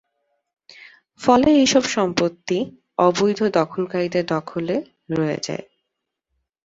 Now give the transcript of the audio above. ফলে এসব সম্পত্তি অবৈধ দখলকারীদের দখলে রয়ে যায়।